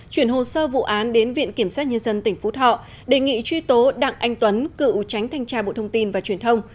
chuyển hồ sơ vụ án đến viện kiểm sát nhân dân tỉnh phú thọ đề nghị truy tố đặng anh tuấn cựu tránh thanh tra bộ thông tin và truyền thông